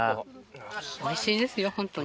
おいしいですよホントに。